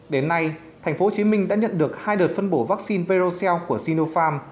đến nay tp hồ chí minh đã nhận được hai đợt phân bổ vaccine verocell của sinopharm